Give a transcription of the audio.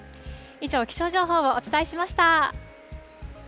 以上、気象情報をお伝えしました。